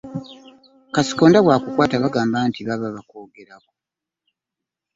Kasikonda bw'akukwata bagamba mbu baba bakwogerako.